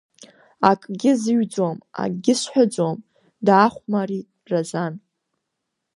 Акгьы зыҩӡом, акгьы сҳәаӡом, даахәмарит Разан.